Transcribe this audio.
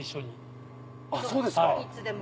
あっそうですか。